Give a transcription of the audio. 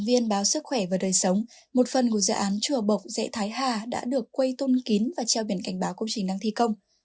và treo biển cảnh báo công trình năng thi công